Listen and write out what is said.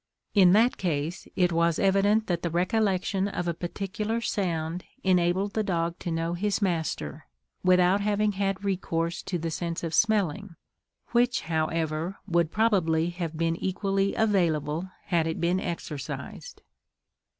In that case, it was evident that the recollection of a particular sound enabled the dog to know his master, without having had recourse to the sense of smelling, which, however, would probably have been equally available had it been exercised.